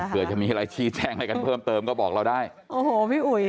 เผื่อจะมีอะไรชี้แจ้งอะไรกันเพิ่มเติมก็บอกเราได้โอ้โหพี่อุ๋ย